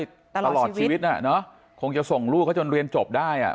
ตลอดชีวิตตลอดชีวิตเนอะคงจะส่งลูกเขาจนเรียนจบได้